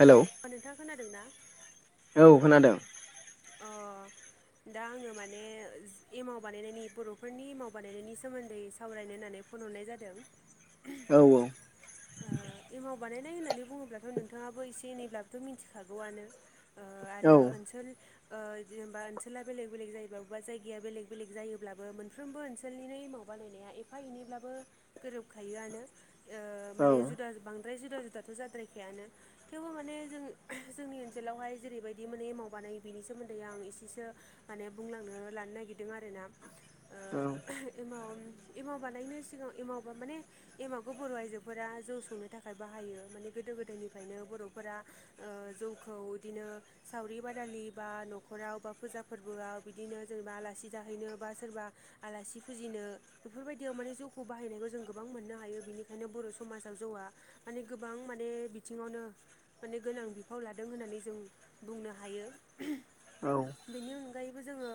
Hello ओ नोंथाङा खोनादों ना? औ खोनादों अ दा आङो माने एमाव बानायनायनि बर'फोरनि एमाव बानायनायनि सोमोन्दै सावरायनो होननानै फन हरनाय जादों औ औ ओ एमाव बानायनाय होननानै बुङोब्लाथ' नोंथाङाबो एसे एनैब्लाबोथ' मिथिखागौआनो ओ औ आरो ओनसोल ओ जेनेबा ओनसोला बेलेग बेलेग जायोब्ला बबेबा जायगाया बेलेग बेलेग जायोब्लाबो मोनफ्रोमबो ओनसोलनिनो एमाव बानायनाया एफा एनै ब्लाबो गोरोबखायोआनो ओ औ माने जु बांद्राय जुदा जुदाथ' जाद्रायखायानो थेवबो माने जों जोंनि ओनसोलावहाय जेरैबायदि माने मावबानायो बिनि सोमोन्दै आं एसेसो माने बुंलांनो लानो नागिरदों आरो ना। ओ ए एमाव बानायनो सिगाङां एमावबा माने एमावगौ बर' आइजोफोरा जौ सं सुंनो थाखाय बाहायो माने गोदो गोदायनिफ्रायनो बर'फोरा। ओ जौखौ बिदिनो सावरि बादारि बा नख'राव एबा फुजा फोरबोआव बिदिनो आलासि जाहैनो बा सोरबा आलासि फुजिनो बेफोरबादियाव माने जौखौ बाहायनायखौ जों गोबां मोननो हायो बिनिखायनो बर'समाजाव जौआ माने गोबां माने बिथिंआवनो माने गोनां बिफाव लादों होननानै जों बुंनो हायो। औ बेनि अनगायैबो जोङो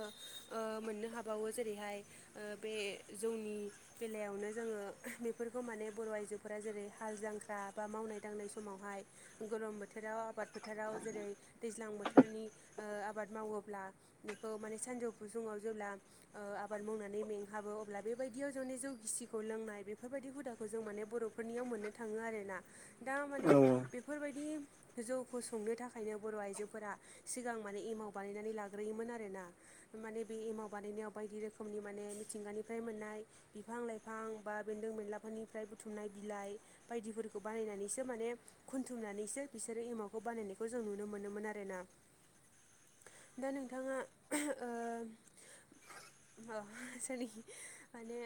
मोननो हाबावो जेरैहाय ओ बे जौनि बेलायावनो जोङो बेफोरखौ माने बर' आइजोफोरा जेरै हाल जांख्रा बा मावनाय दांनाय समावहाय गोलोम बोथोराव आबाद फोथोराव जेरै दैज्लां बोथोरनि आबाद मावोब्ला बेखौ माने सानजौफु समाव जेब्ला ओ आबाद मावनानै मेंहाबो अब्ला बेबायदियाव जोंनि जौ गिसिखौ लोंनाय बेफोरबायदि हुदा खौ जों माने बर'फोरनियाव मोननो थाङो आरोना दा माने औ बेफोरबायदि जौखौ संनो थाखायनो बर' आइजोफोरा सिगां माने एमाव बानायनानै लाग्रोयोमोन आरो ना माने बे एमव बानायनायाव बायदि रोखोमनि माने मिथिंगानिफ्राय मोननाय बिफां लाइफां बा बेन्दों बेनलाफोरनिफ्राय बुथुमनाय बिलाइ बायदिफोरखौ बानायनानैसो माने खुन्थुमनानैसोर बिसोरो एमावखौ बानायनायखौ जों नुनो मोनोमोन आरो ना दा नोंथाङा ओ अ सरि माने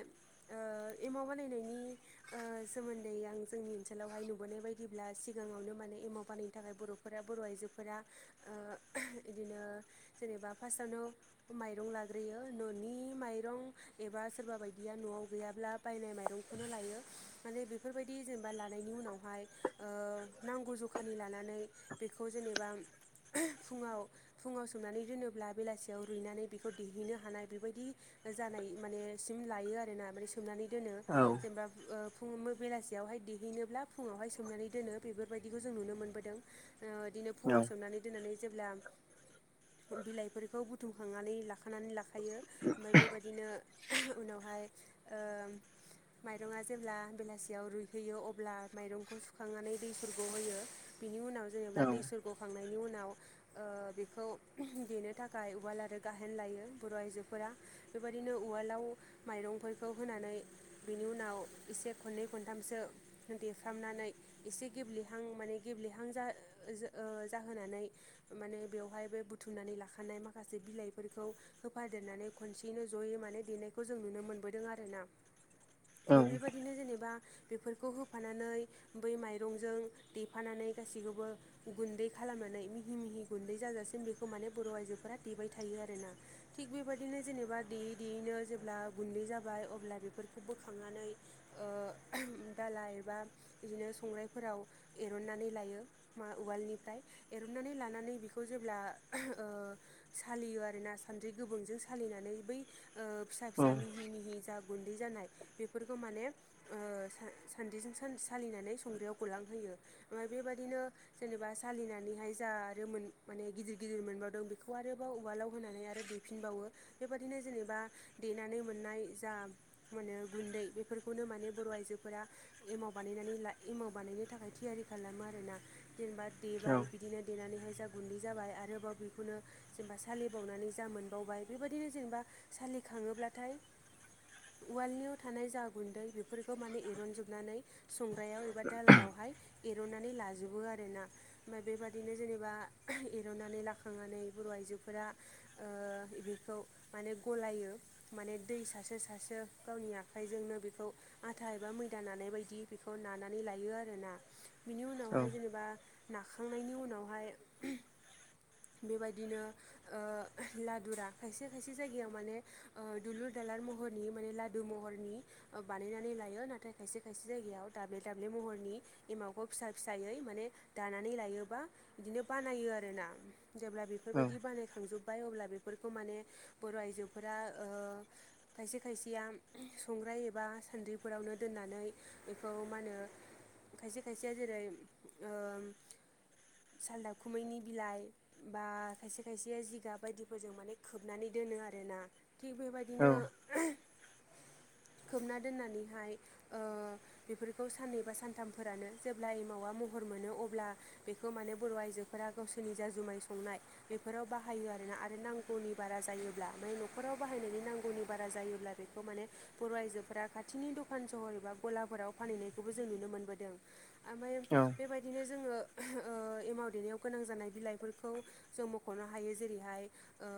ओ एमाव बानायनायनि ओ सोमोन्दै आं जोंनि ओनसोलावहाय नुबोनाय बायदिब्ला सिगाङावनो माने एमावपानायनि थाखाय बर'फोरा बर' आइजोफोरा ओ बिदिनो जेनेबा फार्स्टआवनो माइरं लाग्रोयो न'नि माइरं एबा सोरबा बायदिया न'आव गैयाब्ला बायनाय माइरंखौनो लायो माने बेफोरबायदि जेनेबा लानायनि उनावहाय ओ नांगौ जखानि लानानै बेखौ जेनेबा फुङाव फुङाव सोमनानै दोनोब्ला बेलासियाव रुइनानै बेखौ देहैनो हानाय बेबायदि। जानाय माने सिम लायो आर ना माने सोमनानै दोनो जेनेबा ओ फुङाव बेलासि यावहाय देहैनोब्ला फुङावहाय सोमनानै दोनो बेफोरबायदिखौ जों नुनो मोनबोदोन ओ बिदिनो फुङाव सोमनानै दोननानै जेब्ला बिलाइफोरखौ बुथुमखांनानै लाखानानै लाखा थायो ओमफ्राय बेबायदिनो उनावहाय ओ माइरङा जेब्ला बेलासियाव रुइयो होयो अब्ला माइरंखौ सुखांनानै दै सरखौ होयो बिनि उनाव जेनेबा दै सर गखांनायनि उनाव ओ बेखौ देनो थाखाय उवाल आरो गाहेन लायो बर' आइजोफोरा बेबायदिनो उवालाव माइरंफोरखौ होनानै बिनि उनाव एसे खननै खन दामसो देफ्रामनानै एसे गेब्लेहां माने गेब्लेहां जा-जाहोनानै। माने बेवहाय बे बुथुमनानै लाखानाय माखासे बिलाइफोरखौ होफादेरनानै खनसेयैनो जयै माने देनायखौ जों नुनो मोनबोदों आरो ना बेबायदिनो जेनेबा। बेफोरखौ होफानानै बै माइरंजों देफानानै गाैखौबो गुन्दै खालामनानै मिहि मिहि गुन्दै जाजासिम बेखौ माने बर' आइजोफोरा देबाय थायो आरोना थिग बेबायदिनो जेनेबा देयै देयैनो जेब्ला गुन्दै जाबाय अब्ला बेफोरखौ बोखांनानै। दाला एबा बिदिनो संग्राइफोराव एरननानै लायो। मा उवालनिफ्राय एरुननानै लानानै बेखौ जेब्ला ओ सालियो आर ना सान्द्रि गोबांजों सालिनानै बै फिसा फिसा मिहि मिहि जा गुन्दै जानाय बेफोरखौ माने सान्द्रिजों सालिनानै संग्राआव गलांहोयो ओमफ्राय बेबादिनो जेनेबा सालिनानैहाय जा आरो माने गिदिर गिदिर मोनबावदों बेखौ आरो बाव उवालाव होनानै आरो दे फिनबावो बेबादिनो जेनेबा देनानै मोननाय जा माने गुन्दै बेफोरखौनो माने बर' आइजोफोरा एमाव बानायनानै ला एमाव बानायनो थाखाय थियारि खालामो आरोना जेनेबा देबाय बिदिनो देनानैहाय जा गुन्दै जाबाय आरोबाव बेखौनो जेनेबा सालिबावनानै जा मोनबावबाय बेबायदिनो जेनेबा सालिखाङोब्लाथाय उवालनियाव थानाय जा गुन्दै बेफोर खौ माने एरनजोबनानै संग्रायाव एबा दालायावहाय एरननानै लाजोबो आरो ना ओमफ्राय बेबादिनो जेनेबा एर'नानै लाखांनानै बर' आइजोफोरा ओ बेखौ माने गलायो माने दै सारसो सारसो गावनि आखाइजोंनो बेखौ आथा एबा मैदा नानाय बायदि बेखौ नानानै लायो आरोना बिनि उनावहाय जेनेबा नाखांनायनि उनावहाय बेबायदिनो ओ लादुरा खायसे खायसे जायगायाव माने दुलुर दालार महरनि माने लादु महरनि बानायनानै लायो नाथाय खायसे खायसे जायगायाव दाब्ले दाब्ले महरनि एमावखौ फिसा फिसायै माने दानानै लायोबा बिदिनो बानायो आरोना जेब्ला बेफोरबायदि बानायखांजोब्बाय अब्ला बेफोरखौ माने बर' आइजोफोरा खायसे खायसेया संग्राय एबा सान्द्रिफोरावनो दोननानै बेखौ मा होनो खायसे खायसेया जेरै सालदाखुमैनि बिलाइ बा खायसे खायसे जिगाब बायदिफोरजों माने खोबनानै दोनो आरोोना थिग बेबायदि दिनो खोबना दोननानैहाय ओ बेफोरखौ साननै बा सानथामफोरानो जेब्ला एमावा महर मोनो अब्ला बेखौ माने बर' आइजोफोरा गावसोरनि जा जुमाय संनाय बेफोराव बाहायो आरोना आरो नांगौनि बारा जायोब्ला माने न'खराव बाहायनायनि नांगौनि बारा जायोब्ला बेखौ माने बर' आइजोफोरा खाथिनि दखान सहर एबा गलाफोराव फानहैनायखौबो जों नुनो मोनबोदों। ओमफफ्राय बेबायदिनो जोङो ओ एमाव देनायाव गोनां जानाय बिलाइफोर खौ जों मख'नो हायो जेरैहाय ओ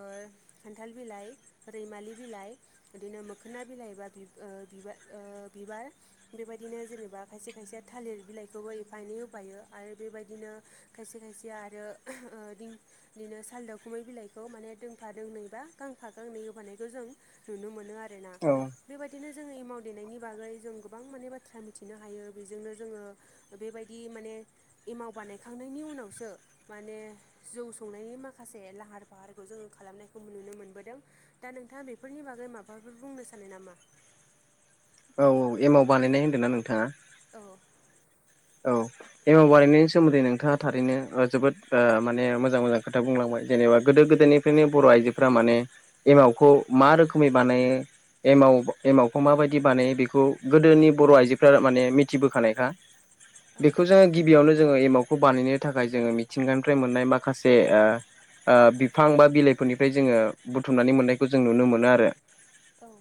खान्थाल बिलाइ रैमालि बिलाइ बिदिनो मोखोना बिलाइबा बि ओ बि ओ बिबार बिबार बेबायदिनो जेनेबा खायसे खायसे थालिर बिलाइखौबो एफा एनै होफायो आरो बेबायदिनो खायसे खायसे आरो बिदि बिदिनो सालदावखुमै बिलाइखौ माने दोंफा दोंनै बा गांफा गांनै होबानायखौ जों नुनो मोनो आरोना औ बेबायदिनो जोङो एमाव देनायनि बागै जों गोबां माने बाथ्रा मिथिनो हायो बेजोंनो जोङो बेबायदि माने एमाव बानायखांनायनि उनावसो माने जौ संनायनि माखासे लाहार फाहारखौ जोङो खालामनायखौ नुनो मोनबोदों। दा नोंथाङा बेफोरनि बागै माबाफोर बुंनो सानो नामा? औ औ एमाव बानायनाय होन्दों ना नोंथाङा? औ औ एमाव बानायनायनि सोमोन्दै नोंथाङा थारैनो जोबोद माने मोजां मोजां खोथा बुंलांबाय जेनेबा गोदो गोदायनि बेनो बर' आइजोफोरा माने एमावखौ मा रोखोमै बानायो एमाव एमावखौ माबायदि बानायो बेखौ गोदोनि बर' आइजोफ्रा माने मिथिबोखानायखा औ बेखौ जोङो गिबियावनो जोङो एमावखौ बानायनो थाखाय जोङो मिथिंगानिफ्राय मोननाय माखासे ओ ओ बिफां बा बिलाइफोरनिफ्राय जोङो बुथुमनानै मोननायखौ जों नुनो मोनो आरो। औ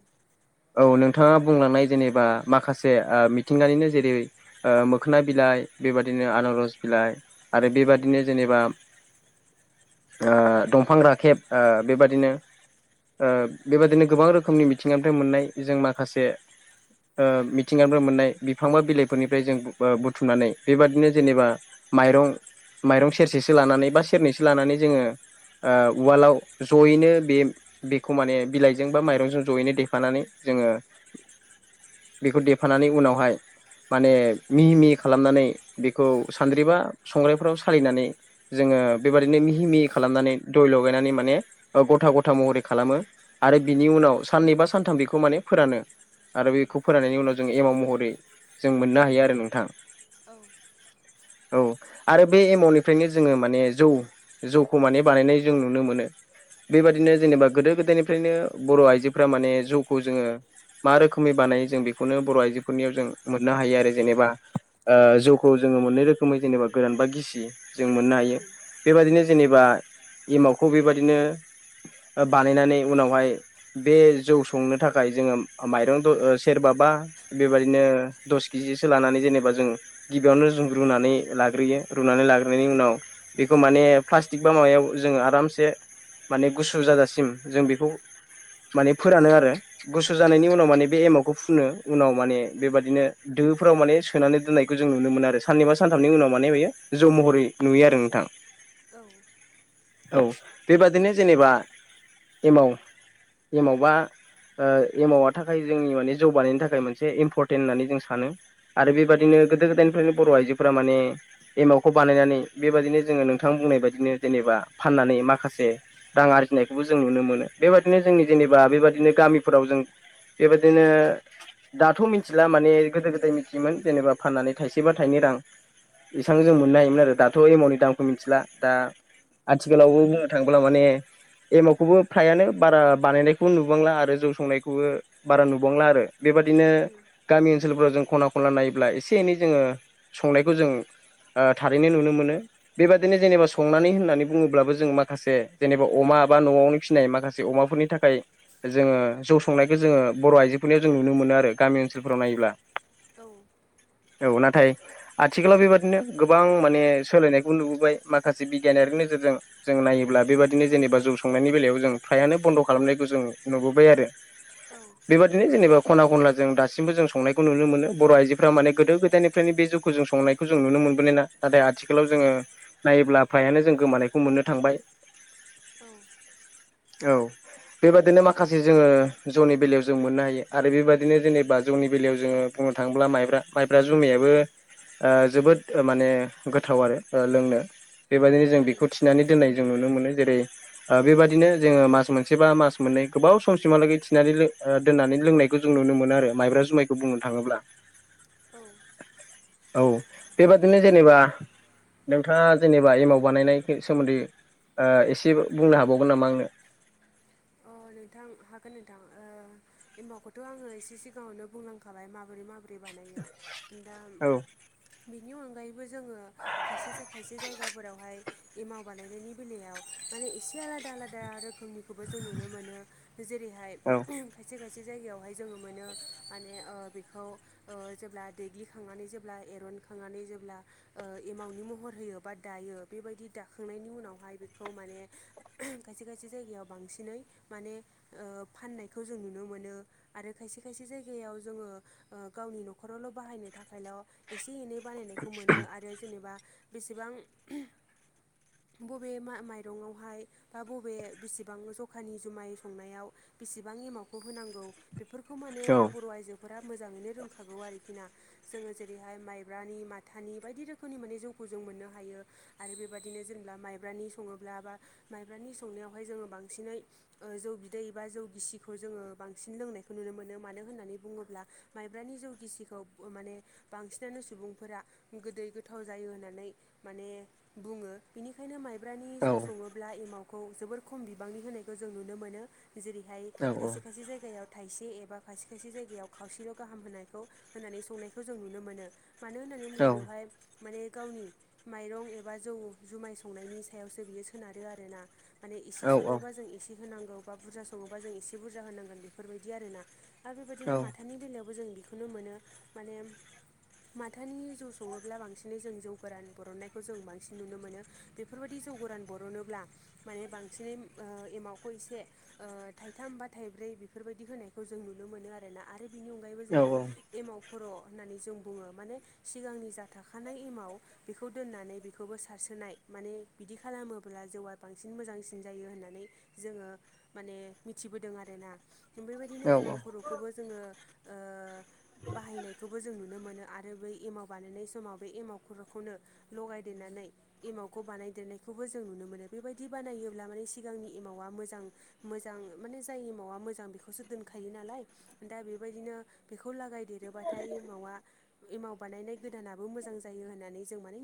औ नोंथाङा बुंलांनाय जेनेबा माखासे आ मिथिंगानिनो जेरै आ मो खोना बिलाइ बेबादिनो आनारस बिलाइ आरो बेबादिनो जेनेबा ओ दंफां राखेब ओ बेबादिनो ओ बेबादिनो गोबां रोखोमनि मिथिंगानिफ्राय मोननाय जों माखासे ओ मिथिंगानिफ्राय मोननाय बिफां बा बिलाइफोरनिफ्राय जों बुथुमनानै बेबादिनो जेनेबा माइरं माइरं सेरसेसो लानानै बा सेरनैसो लानानै जोङो आ उवालाव जयैनो बे बेखौ माने बिलाइजों बा माइरंजों जयैनो देफानानै जोङो बेखौ देफानानै उनावहाय माने मिहि मिहि खालामनानै बेखौ सानद्रि बा संग्रायफोराव सालिनानै जोङो बेबादिनो मिहि मिहि खालामनानै दय लगायनानै माने गथा गथा महरै खालामो। आरो बिनि उनाव साननै बा सानथाम बेखौ माने फोरानो आरो बेखौ फोराननायनि उनाव जों एमाव महरै जों मोननो हायो आरो नोंथां। औ। औ आरो बे एमावनिफ्रायनो जोङो माने जौ जौखौ माने बानायनाय जों नुनो मोनो औ बेबादिनो जेनेबा गोदो गोदायनि फ्रायनो बर' आइजोफोरा माने जौखौ जोङो मा रोखोमनि बानायो जों बेखौनो बर' आइजोफोरनियाव जों मोननो हायो आरो जेनेबा। ओ जौखौ जोङो मोननै रोखोमै जेनेबा गोरान बा गिसि जों मोननो हायो। उम बेबादिनो जेनेबा एमावखौ बेबादिनो बानायनानै उनावहाय बे जौ संनो थाखाय जोङो माइरं सेरबा बा बेबायदिनो दस के जिसो लानानै जेनेबा जों गिबियावनो जों रुनानै लाग्रोयो रुनानै लाग्रोनायनि उनाव बेखौ माने प्लास्टिक बा माबायाव जोङो आरामसे माने गुसु जाजासिम जों बेखौ माने फोरानो आरो गुसु जानायनि उनाव माने बे एमावखौ फुनो। उनाव माने उम बेबादिनो दो फोराव माने सोनानै दोननायखौ जों नुनो मोनो आरो साननै बा सानथामनि उनाव माने बेयो जौ महरै नुयो आरो नोंथां। औ औ बेबादिनो जेनेबा एमाव एमाव बा ओ एमावा थाखाय जोंनि माने ज' बानायनो थाखाय मोनसे इम्परटेन्ट होननानै जों सानो। आरो उम बेबादिनो गोदो गोदायनिफ्रायनो बर' आइजोफोरा माने एमावखौ बानायनानै बेबायदिनो जोङो नोंथां बुंनाय बायदिनो जेनेबा फाननानै माखासे रां आरजिनायखौबो जों नुनो मोनो बेबादिनो औ जोंनि जेनेबा बेबादिनो गामिफोराव जों बेबायदिनो दाथ' मिथिला माने गोदो गोदाय [unintelligible] [unintelligible] मोन जेनेबा फाननानै थाइसे बा थाइनै रां [unintelligible] मोननो हायोमोन आरो दाथ' एमावनि दामखौ मिथिला दा आथिखालावबो बुंनो थाङोब्ला माने एमावखौबो फ्रायानो बारा बानायनायखौबो नुबांला आरो जौ संनायखौबो बारा नुबांला आरो। बेबादिनो गामि ओनसोलफोराव जों खना खनला नायोब्ला एसे एनै जोङो संनायखौ जों ओ थारैनो नुनो मोनो बेबादिनो जेनेबा संनानै होननानै बुङोब्लाबो जों माखासे जेनेबा अमा बा न'आवनो फिसिनाय माखा [unintelligible] अमाफोरनि थाखाय जोङो जौ संनायखौ जोङो बर' आइजोफोरनियाव जों नुनो मोनो आरो गामि ओनसोलफोराव नायोब्ला औ औ नथाय आथिखालाव बेबादिनो गोबां माने सोलायनायखौ नुबोबाय माखासे बिगियानारिनि नोजोरजों जों नायोब्ला बेबायाददिनो जेनेबा जौ संनायनि बेलायाव जों फ्रायानो बन्द' खालामनायखौ जों नुबोबाय आरो [inaudible] औ बेबादिनो जेनेबा खना खनला जों दासिम्बो जों संनायखौ नुनो मोनो बर' आइजोफ्रा माने गोदो गोदायनिफ्रायनो बे जौखौ जों संनायखौ जों नुनो मोनबोनाय ना नाथाय आथिखालाव जोङो नायोब्ला फ्रायानो जों गोमानायखौ मोन्नो थांबाय औ औ बेबादिनो माखासे जोङो जौनि बेलायाव जों मोन्नो हायो आरो बेबायदिनो जेनेबा जौनि बेलायाव जोङो बुंनो थाङोब्ला माइब्रा माइब्रा जुमायाबो ओ जोबोद माने गोथाव आरो ओ लोंनो बेबायदिनो जों उम बेखौ थिनानै दोननाय जों नुनो मोनो जेरै ओ बेबादिनो जोङो मास मोनसे बा मास मोन्नै गोबाव समसिमहालागै थिनानै लो ओ दोन्नानै लोंनाय खौ जों नुनो मोनो आरो माइब्रा जुमायखौ बुंनो थाङोब्ला औ औ बेबादिनो जेनेबा नोंथाङा जेनेबा एमाव बानायनाय सोमोन्दै ओ एसे बुंनो हाबावगोन नामा आंनो अ नोंथां हागोन नोंथां ओ एमावखौथ' आङो एसे सिगाङावनो बुंलांखाबाय माबोरै माबोरै बिदि बानायो दा औ बिनि अनगायैबो बो जोङो खायसे खायसे जायगाफोरावहाय एमाव बानायनायनि बेलायाव माने एसे आलादा आलादा रोखोमनिखौबो जोङो नुनो मोनो जेरैहाय औ खायसे खायसे जायगायावहाय जोङो मोनो ओ माने बेखौ ओ जेब्ला देग्लिखांनानै जेब्ला एरनखांनानै जेब्ला ओ एमावनि महर होयो बा दायो बेबायदि दाखांनायनि उनावहाय बेखौ माने खायसे खायसे जायगायाव बांसिनै माने ओ फाननायखौ जों नुनो मोनो आरो खायसे खायसे जायगायाव जोङो ओ गावनि नखरावल' बाहायनो थाखायल' एसे एनै बानायनायखौ मोनो आरो आरो जेनेबा बेसेबां बबे मा माइरंआवहाय बा बबे बिसेबां जख दखानि जुमाय संनायाव बेसेबां एमावखौ होनांगौ बेफोरखौ माने बर' आइजो फोरा मोजाङैनो रोंखागौ आरोखि ना जोङो जेरैहाय माइब्रानि माथानि बायदि रोखोमनि माने जौखौ जों मोननो हायो आरो बेबदिनो जेनेबा माइब्रानि सङोब्ला बा माइब्रानि संनायावहाय जोङो बांसिनै ओ जौ बिदै बा जौ गिसिखौ जोङो बांसिन लोंनायखौ नुनो मोनो मानो होन्नानै बुङोब्ला माइब्रानि जौगिसिखौ माने बांसिनानो सुबुंफोरा गोदै गोथाव जायो होननानै माने बुङो बिनिखायनो माइब्रानि औ जौ सङोब्ला एमावखौ जोबोर खम बिबांनि होनायखौ जों नुनो मोनो जेरैहाय औ खायसे खायसे जायगायाव थायसे एबा खायसे खायसे जायगायाव खावसेल' गाहाम होनायखौ होनानै संनायखौ जों नुनो मोनो। मानो होन्नानै बुंङोब्ला बेवहाय माने गावनि माइरं एबा जौ जुमाय संनायनि सायावसो बियो सोनारो आरोना। माने एसे औ सङोबा जों एसे होनांगौ बा बुरजा सङोबा जों एसे बुरजा होनांगोन बेफोरबायदि आरो ना। आरो बेबायदिनो माथानि बेलायावबो जों बेखौनो मोनो माने माथानि जौ सङोब्ला बांसिनै जों जौ गोरान बरननायखौ जों बांसिन नुनो मोनो बेफोरबायदि जौ गोरान बर'नोब्ला माने बांसिनै ओ एमाव खायसे ओ थाइथाम बा थाइब्रै बेफोरबायदि होनायखौ जों नुनो मोनो आरोना आरो बेनि उनाव अनगायैबो औ जेरै एमाव खर' होन्नानै जों बुङो माने सिगांनि जा थाखानाय एमाव बेखौ दोन्नानै बेखौबो सारसोनाय माने बिदि खालामोब्ला जौआ बांसिन मोजांसिन जायो होन्नानै जोङो माने मिथिबोदों आरोना बेबायदिनो औ औ एमाव खर'खौ खौबो जोङो ओ बाहायनायखौबो जों नुनो नुनो मोनो आरो बै एमाव बानायनाय समाव बे एमाव खुरखौनो लगायदेरनानै एमावखौ बानायदेरनायखौबो जों नुनो मोनो बेबायदि बानायोब्ला माने सिगांनि एमावा मोजां मोजां माने जाय एमावा मोजां बेखौसो दोनखायो नालाय दा बेबायदिनो बेखौ लागाय देरोबाथाय एावा एमाव बानायनाय गोदानाबो मोजां जायो होननानै जों माने